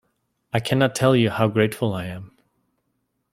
I cannot tell you how grateful I am.